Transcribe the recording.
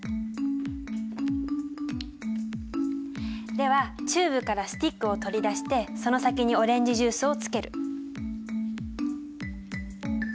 ではチューブからスティックを取り出してその先にオレンジジュースをつける。